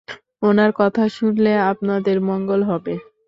ওনার কথা শুনলে আপনাদের মঙ্গল হবে।